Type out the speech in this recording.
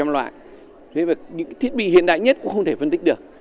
một trăm linh loại những thiết bị hiện đại nhất cũng không thể phân tích được